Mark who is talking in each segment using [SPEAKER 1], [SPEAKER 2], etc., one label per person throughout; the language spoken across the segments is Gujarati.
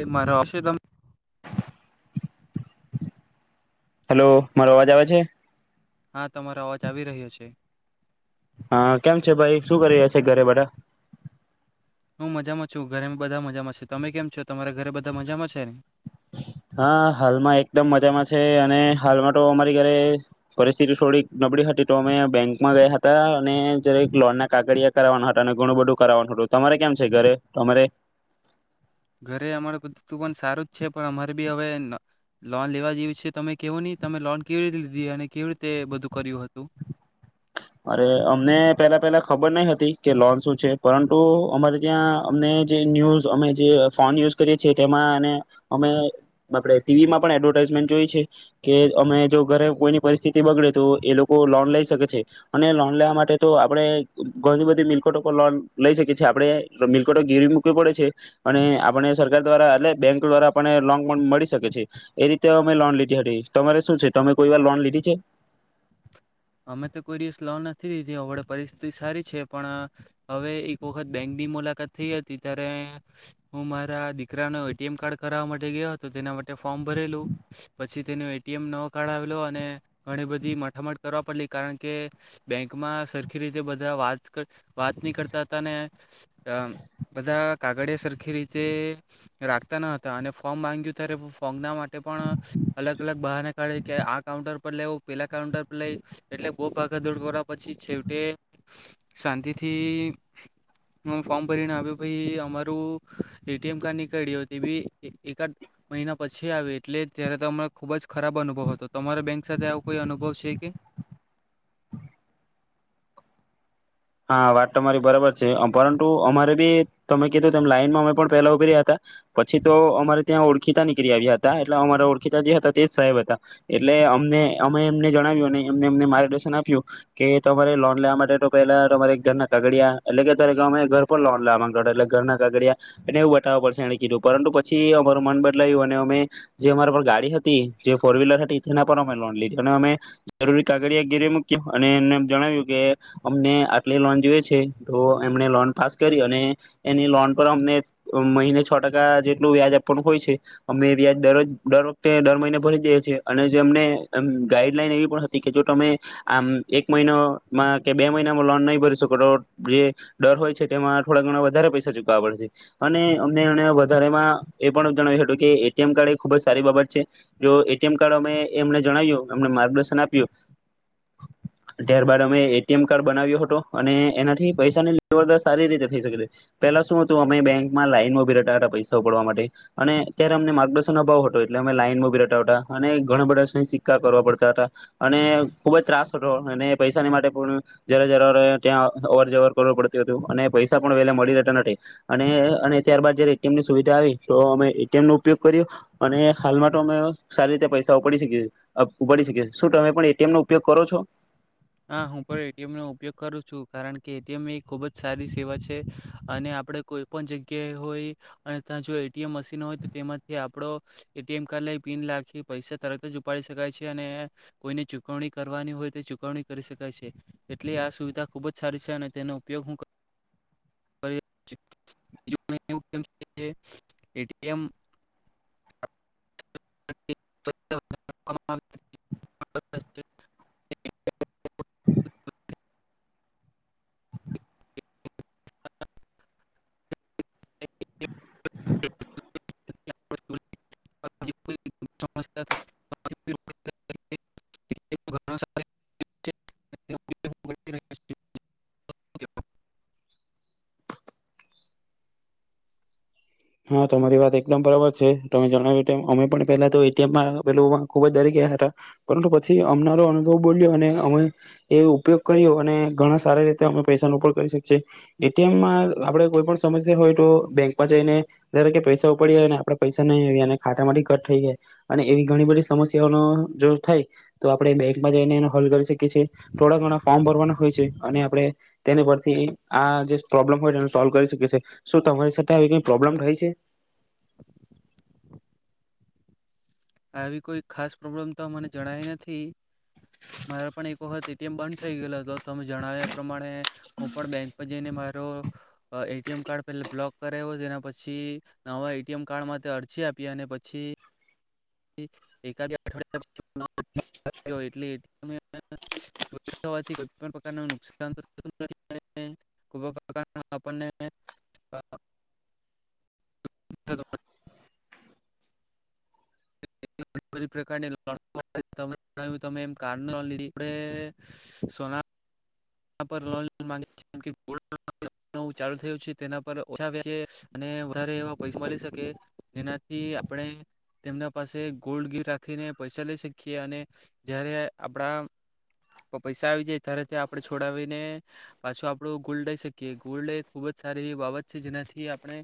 [SPEAKER 1] એ મારા ઓસેધમ
[SPEAKER 2] હેલો મારો અવાજ આવે છે?
[SPEAKER 1] હા તમારો અવાજ આવી રહ્યો છે.
[SPEAKER 2] હા કેમ છે ભાઈ શું કરી રહ્યા છે ઘરે બધાં?
[SPEAKER 1] હું મજામાં છું. ઘરે બધા મજામાં છે. તમે કેમ છો? તમારા ઘરે બધા મજામાં છે.
[SPEAKER 2] હા હાલમાં એકદમ મજામાં છે. અને હાલમાં તો અમારી ઘરે પરિસ્થિતિ થોડી નબળી હતી તો અમે બેંકમાં ગયા હતા. અને જે એક લોન ના કાગડીયા કરવાના હતા અને ઘણું બધું કરાવાનું હતું. તમારે કેમ છે ઘરે તમારે?
[SPEAKER 1] ઘરે અમારે બધું પણ સારું જ છે. પણ અમારે બી હવે ન તમે લોન કેવી રીતે લીધી અને કેવી રીતે બધું કર્યું હતું
[SPEAKER 2] અરે અમને પેલા પેલા ખબર નહીં હતી કે લોન શું છે. પરંતુ અમારે ત્યાં અમને જે ન્યૂઝ અમે જે ફોન યુઝ કરીએ છીએ તેમાં અને અમે આપણે ટીવી માં પણ એડવર્ટાઈઝમેન્ટ જોઈએ છે કે અમે જો ઘરે કોઈની પરિસ્થિતિ બગડે તો એ લોકો લોન લઈ શકે છે. અને લોન લેવા માટે તો આપણે ઘણી બધી મિલકત ઉપર લોન લઈ શકીએ છીએ. આપણે મિલકટો ગીરવી મૂકવી પડે છે. અને આપણે સરકાર દ્વારા એટલે બેંક દ્વારા આપને લોન પણ મળી શકે છે. એ રીતે અમે લોન લીધી હતી તમારે શું છે તમે કોઈ વાર લોન લીધી છે?
[SPEAKER 1] અમે તો કોઈ દિવસ લોન નથી લીધી. હમણાં પરિસ્થિતિ સારી છે પણ હવે એક વખત બેંકની મુલાકાત થઈ હતી. ત્યારે હું મારા દીકરાનો એટીએમ કાર્ડ કરાવવા માટે ગયો હતો તેના માટે ફોર્મ ભરેલું પછી તેનો એટીએમ નવો કઢાવેલો અને ઘણી બધી માથામથ કરવા પડલી કારણ કે બેંકમાં સરખી રીતે બધા વાત વાત નહી કરતા હતા ને અમ બધાં કાગળિયા સરખી રીતે રાખતા ન હતા. અને ફોર્મ માંગ્યું ત્યારે ફોર્મના માટે પણ અલગ અલગ બહાના કાઢે કે આ કાઉન્ટર પર લેવ પેલા કાઉન્ટર લઈ એટલે બહુ ભાગાદોડ કરવા પછી છેવટે શાંતિથી ફોર્મ ભરીને આપ્યો. પહી અમારું એટીએમ કાર્ડ નીકળ્યું તે બી એકાદ મહિના પછી આવ્યું એટલે ત્યારે તો અમેં ખુબ જ ખરાબ અનુભવ હતો. તમારા બેંક સાથે આવો કોઈ અનુભવ છે? કે
[SPEAKER 2] હા વાત તમારી બરાબર છે. પરંતુ અમારે બી તમે કીધું તેમ લાઈનમાં અમે પણ પહેલા ઉભીર્યા તા. પછી તો અમારે ત્યાં ઓળખીતા નીકરી આવ્યા હતા. એટલે અમારા ઓળખીતા જે હતા તે જ સાહેબ હતા. એટલે અમને અમે એમને જણાવ્યું અને એમને અમને માર્ગદર્શન આપ્યું કે તમારે લોન લેવા માટે તો પહેલા તમારે એક ઘરના કાગડિયા એટલે કે અત્યારે અમે ઘર પર લોન લેવા માંગ હતા. એટલે ઘરના કાગડિયા એને એવું બતાવવા પડશે એણે કીધું. પરંતુ પછી અમારું મન બદલાયુ અને અમે જે અમારા પર ગાડી હતી જે ફોર વ્લર હતી તેના પર અમે લોન લીધી. અને અમે જરૂરી કાગડિયા ગીરવી મૂકયુ અને એને જણાવ્યું કે અમને આટલી લોન જોઈએ છે તો એમને લોન પાસ કરી અને એની લોન પર અમને મહિને છ ટકા જેટલું વ્યાજ આપવાનું હોય છે. અમને વ્યાજ દરરોજ દર વખતે દર મહિને ભરી દઈએ છીએ. અને જો એમને ગાઈડલાઈન એવી પણ હતી કે જો તમે આમ એક મહિનોમાં કે બે મહિનામાં લોન નહી જે ડર હોય છે તેમાં થોડા ઘણા વધારે પૈસા ચૂકવવા પડશે અને અમને એ વધારેમાં એ પણ જણાવ્યું હતું કે એટીમ કાર્ડ એ ખુબ જ સારી બાબત છે જો એટીમ કાર્ડ અમે એમને જણાવ્યું એમ માર્ગદર્શન આપ્યું ત્યારબદ અમે એટીએમ કાર્ડ બનાવ્યો હતો અને એનાથી પૈસાની જબરદસ્ત સારી રીતે થઈ શકે પેલા શું હતું અમે બેંકમાં લાઈનમાં ઉભા રહેતા હતા પૈસા ઉપડવા માટે અને ત્યારે અમને માર્ગદર્શનનો અભાવ હતો એટલે અમે લાઈનમાં ઉભા રહતા હતા અને ઘણા બધા સિક્કા કરવા પડતા હતા અને ખુબ જ ત્રાસ હતો અને પૈસા માટે પણ જરા જરા ત્યાં અવર જવર કરવું પડતું હતું અને પૈસા પણ વહેલે મળી રહેતા નથી અને અને ત્યારબાદ જયારે એટીએમની સુવિધા આવી તો અમેટીએમ નો ઉપયોગ કર્યો અને હાલમાં તો અમે સારી રીતે પૈસા ઉપડી શકી ઉપડી શકી શું તમે પણ એટીએમ નો ઉપયોગ કરો છો
[SPEAKER 1] હા હું પણ એટીએમનોો ઉપયોગ કરું છું કારણ કે એટીએમ એ ખુબ જ સારી સેવા છે અને આપડે કોઈ પણ જગ્યાએ હોય અને ત્યા જો એટીએમ મશીન હોય તો તેમાંથી આપડો એટીએમ કાર્ડ લ પિન લખી પૈસા તરત જ ઉપાડી શકાય છે અને કોઈને ચુકવણી કરવાની કરી શકાય છે એટલે આ સુવિધા ખુબ જ સારી છે અને તેનો ઉપયોગ હું [unintelligible] [unintelligible] [unintelligible]
[SPEAKER 2] હા તમારી વાત એકદમ બરાબર છે તમે જણાવ્યુંત તેમ અમે પણ પહેલા તો એટીએમ પ ખુબ જ દરી ગયા હતા પરંતુ પછી અમનારો અનુભવ બોલ્યો અને અમે એ ઉપયોગ કર્યો અને ઘણા સારી રીતે અમે પૈસા ન પણ કરી શકી એટીએમમાં આપણે કોઈ પણ સમસ્યા હોય તો બેંકમાં જઈને જ્યારે પૈસા ઉપડી જાયને આપડે પૈસા નહી આવીએ અને ખાતા માંથી કટ થઈ જાય અને એવી ઘણી બધી સમસ્યાઓનો જો થાય તો આપડે બેંકમાં જઈને એનો હલ કરી શકીએ થોડા ધણા ફોર્મ ભરવા એને આપણે તેની પર થી આ પ્રોબ્લેમ હોય સોલ્વ કરી શકીએ શુ તમારી સાથે આવી પ્રોબ્લેમ થયે છે
[SPEAKER 1] આવી કોઈ ખાસ પ્રોબ્લેમ તો મને જણાય નથી મારે પણ એક વખત એટી એમ બંધ થઇ ગયે હતો ત અમે જણાવ્યા પ્રમાણે હું પણ બેંક પર જઈને મારે એટી એમ કાર્ડ પેલા બ્લોક કરાવ્યો તેના પછી નવા એટીએમ કાર્ડમાં અરજી આપી અને પછી [unintelligible] ધ પ્રકારની ત એમ કાર લીધી સોના ચાલુ થયું છે તેના પર ઓછા અને વધારે એવા પૈસા મળી શકે જેનાથી આપણે તેમના પાસે ગોલ્ડ ગીર રાખીને પૈસા લઈ શકીએ અને જ્યાંરે આપડા પૈસા આવી જાય ત્યારે છોડાવીને પાછો આપડો ગોલ્ડસ લઈ શકીએ. ગોલ્ડ એ ખુબ જ સારી એ બાબત છે જેનાથી આપણે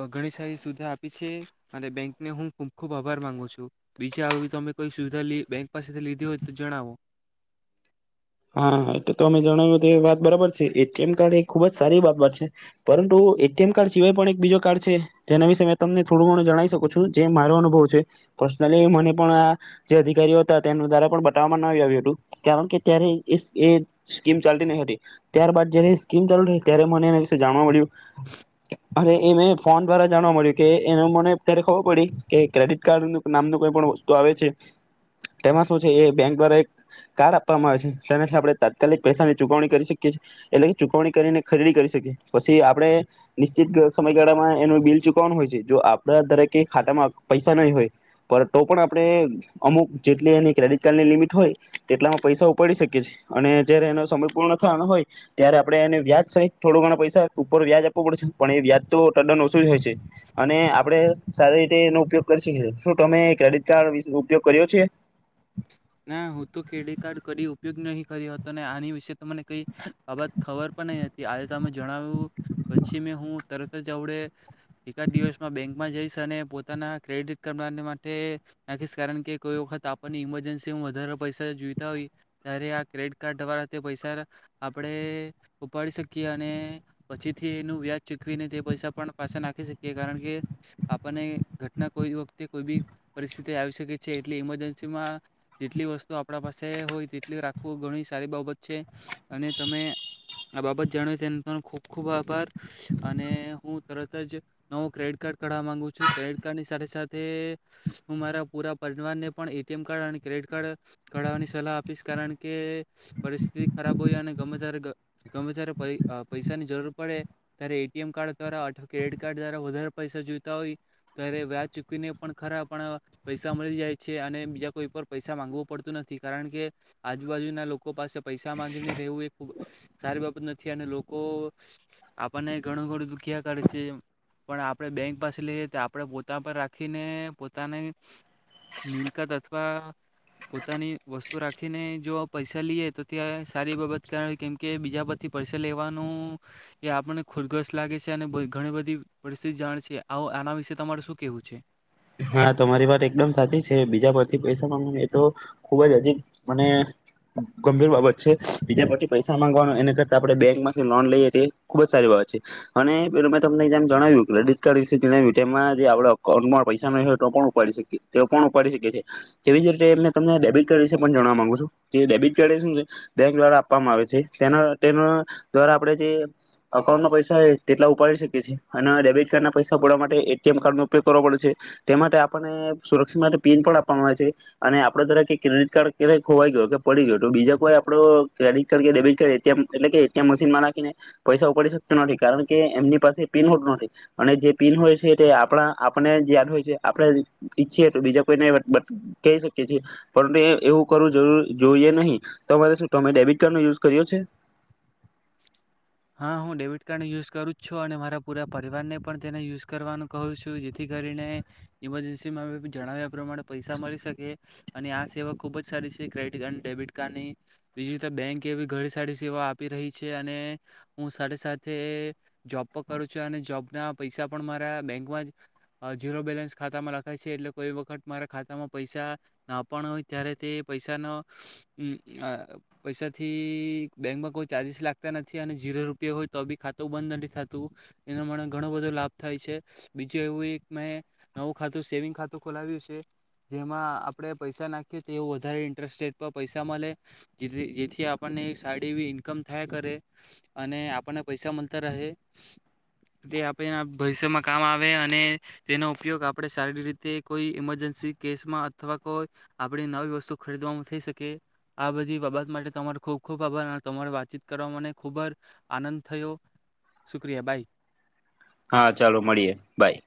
[SPEAKER 1] અ ઘણી સારી સુવિધા આપી છે અને બેંકને હું ખૂબ ખુબ આભાર માંગુ છું. બીજ તમે કોઈ સુવિધા બેંક પાસેથી લીધી હોય તો જણાવો.
[SPEAKER 2] હા એટલે તો અમે જણાવ્યું તો વાત બરાબર છે. એટીએમ કાર્ડ એ ખુબ જ સારી વાત વાત છે. પરંતુ એટીએમ કાર્ડ સિવાય પણ એક બીજો કાર્ડ છે જેના વિશે મેં તમને થોડું ઘણું જણાવી શકું છું જે મારો અનુભવ છે પર્સનલી મને પણ આ જે અધિકારીઓ હતા તેના દ્વારા પણ બતાવવામાં ના આવ્યું હતું કારણ કે ત્યારે એ એ સ્કીમ ચાલતી નહી હતી ત્યારબાદ જયારે એ સ્કીમ ચાલુ રહી ત્યારે મને એના વિશે જાણવા મળ્યું અને એ મે ફોન દ્વારા જાણવા મળ્યું કે એને મને ત્યારે ખબર પડી કે ક્રેડિટ કાર્ડ ક નામનું કોઈ પણ વસ્તુ આવે છે તેમાં શું છે એ બેંક દ્વારા એક કાર્ડ આપવામાં આવે છે. તેનાથી આપણે તાત્કાલિક પૈસાની ચૂકવણી કરી શકીએ છીએ એટલે કે ચૂકવણી કરીને ખરીદી કરી શકીએ પછી આપણે નિશ્ચિતગ સમયગાળામાં એનું બિલ ચૂકવવાનું હોય છે જો આપણા દરેકે ખાતામાં પૈસા નહીં હોય પર તો પણ આપણે અમુક જેટલી એની ક્રેડિટ કાર્ડની લિમિટ હોય તેટલામાં પૈસા ઉપાડી શક કે જ અને જયારે એનો સમય પૂર્ણ થવાનો હોય ત્યારે આપડે એને વ્યાજ સહિત થોડો ઘણા પૈસા ઉપર વ્યાજ આપવું પડે છે પણ એ વ્યાજ તો ટદન ઓછું જ હોય છે. અને આપડે સારી રીતે એનો ઉપયોગ કરી શકીએ. શું તમે ક્રેડિટ કાર્ડ વિશ ઉપયોગ કર્યો છે?
[SPEAKER 1] ના હું તો ક્રેડિટ કાર્ડ કદી ઉપયોગ નહી કર્યો હતો આની વિશે તો મને કઈ બાબત ખબર પણ નહી હતી આજે તમે જણાવ્યું પછી મે હું તરત જ આવડે એકાદ દિવસમાં બેંકમાં જઈશ અને પોતાના ક્રેડિટ કાર્ડ [unintelligible] નાખીશ કારણ કે કોઈ વખત આપની ઈમરજન્સીમાં વધારે પૈસા જોઈતા હોઈ ત્યારે આ ક્રેડિટ કાર્ડ દ્વારા તે પૈસા આપણે ઉપાડી શકીએ અને પછીથી એનું વ્યાજ ચૂકવીને તે પૈસા પણ પાછા નાખી શકીએ કારણ કે આપણને ઘટના કોઈ વખતે કોઈ બી પરિસ્થિતિ આવી શકે છે એટલે ઈમરજન્ પછીમાં જેટલી વસ્તુ આપણા પાસે હોય તેટલી રાખવું ઘણી સારી બાબત છે. અને તમે આ બાબત જાણાવ તેનો પણ ખુબ ખુબ આભાર અને હું તરત જ નવો ક્રેડિટ કાર્ડ કઢવા માગુ છું ક્રેડિટ કાર્ડ ની સાથે સાથે હું મારા પુરા પરિવાર ને પણ એ એટીએમ કાર્ડ અને ક્રેડિટ કાર્ડ કાઢાવવાની સલાહ આપીશ કારણ કે પરિસ્થિતિ ખરાબ હોય અને ગમે ત્યારે ગ ગમે ત્યારે પ પૈસાની જરૂર પડે ત્યારે એટીએમ કાર્ડ દ્વારા અથવા ક્રેડિટ કાર્ડ દ્વારા વધારે પૈસા જોઈતા હોય ત્યારે વ્યાજ ચૂકવીને પણ ખરા પણ પૈસા મળી જાય છે અને બીજા કોઈ પર પૈસા માંગવું પડતું નથી કારણ કે આજુબાજુના લોકો પાસે પૈસા માંગીને રહેવું એ સારી બાબત નથી અને લોકો આપણને ઘણું ઘણું દુખિયા કરે છે પણ આપણે બેંક પાસે લઈએ તો આપણે પોતા પર રાખીને પોતાને મિલકત અથવા પોતાની વસ્તુ રાખીને જો આ પૈસા લઈએ તો ત્યાં સારી બાબત કારણ કેમકે બીજા પરથી પૈસા લેવાનું એ આપને ખુદઘસ લાગે છે અને ઘ ઘણી બધી પરિસ્થિતિ જાણે છે આવ આના વિશે તમારે શું કેવું છે?
[SPEAKER 2] હા તમારી વાત એકદમ સાચી છે બીજા પરથી પૈસા માંગવું એ તો ખુબ જ હજીબ મને અને ગંભીર બાબત છે બીજા પરથી પૈસા માંગવાનું એના કરતા આપણે બેંકમાંથી લોન લઈએ તે ખુબ જ સારી બાબત છે અને પેલુ મેં તમને એમ જણાવ્યું ક્રેડિટ કાર્ડ વિશે જે આપડા અકાઉન્ટમાં પૈસા ન હોય તો પણ ઉપાડી શકીએ તો પણ ઉપાડી શકી છીએ. તેવી જ રીતે તમને ડેબિટ કાર્ડ વિશે પણ જણવા માંગુ છું. જે ડેબિટ કાર્ડ એ શું બેંક દ્વારા આપવામાં આવે છે તેના તેના દ્વારા આપણે જે અકાઉન્ટ ના પૈસા હોય તેટલા ઉપાડી શકીએ છીએ અને ડેબિટ કાર્ડના પૈસા પડવા માટે એટીએમ કાર્ડનો ઉપયોગ કરવો પડે છે. તે માટે આપને સુરક્ષિત માટે પિન પણ આપવામાં આવે છે અને આપડે દરેકે ક્રેડિટ કાર્ડ ક્યારે ખોવાઈ ગયો કે પડી ગયો બીજા કોઈ આપડો કડિટ કાર્ડ કે ડેબિટ કાર્ડ એટલે કે એટીએમ મશીન માં નાખીને પૈસા ઉપાડી શકતો નથી કારણ કે એમની પાસે પિન હોતું નથી અને જે પિન હોય છે તે આપણા આપને જે [inaudible] આપડે ઈછીએ બીજા કોઈને બ કહી શકીએ છીએ પણ એવું કર કરવું જોઈએ નહી તમારે શું ટમે ડબિટ કાર્ડ નો યુઝ કર્યો છે?
[SPEAKER 1] હા હું ડેબિટ કાર્ડ યુઝ કરું છું અને મારા પુરા પરિવાર ને પણ તેને યુઝ કરવાનું કહું છું જેથી કરીને ઈમરજન્સીમાં જણાવ્યા પ્રમાણે પૈસા મળી શકે. અને આ સેવા ખુબ જ સારી છે ક્રેડિટ કાર્ડ, ડેબિટ કાર્ડની બીજી રીતે બેંક એવી ઘણી સારી સેવા આપી રહી અને હું સાથે સાથે જોબ પર કરું છું અને જોબ ના પૈસા પણ મારા બેંકમાં જ અ ઝીરો બેલેન્સ ખાતામાં રખાય છે એટલે કોઈ વખત મારા ખાતામાં પૈસા ના પણ હોય ત્યારે તે પૈસા ન અમ અ પૈસાથી બેંકમાં કો ચાર્જિસ લાગતા નથી અને ઝીરો રૂપિયા હોય તો બી ખાતું બંધ નથી થતું એનો મને ઘણો બધો લાભ થાય છે બીજું એવું એક મેં નવું ખાતું સેવિંગ ખાતું ખોલાવ્યું છે. જેમાં આપણે પૈસા નાખીએ તો એવું વધારે ઇન્ટરેસ્ટ રેટ પર પૈસા મળે જે જેથી આપણને સારી એવી ઇન્ કમ થયા કરે અને આપણને પૈસા મંતર રહે તે આપણે આ ભવિષ્યમાં કામ આવે અને તેનો ઉપયોગ આપણે સારી રીતે કોઈ ઈમરજન્સી કેસમાં અથવા કોઈ આપણી નવી વસ્તુ ખરીદવાવામાં થઈ શકે આ બધી બાબત માટે તમારો ખૂબ ખૂબ આભાર. તમારે વાતચીત કરવા મને ખૂબ જ આનંદ થયો શુક્રિયા બાય.
[SPEAKER 2] હા ચાલો મળીએે બાય.